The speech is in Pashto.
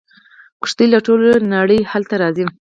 کښتۍ له ټولې نړۍ هلته راځي.